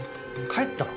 帰った？